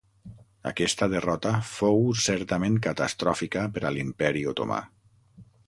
Aquesta derrota fou certament catastròfica per a l'Imperi otomà.